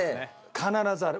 必ずある。